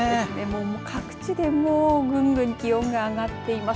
各地でぐんぐん気温が上がっています。